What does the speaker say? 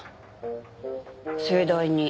そうだよ。